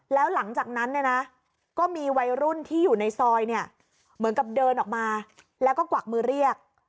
แล้วหลังจากนั้นเนี่ยนะก็มีวัยรุ่นที่อยู่ในซอยเนี่ยเหมือนกับเดินออกมาแล้วก็กวักมือเรียก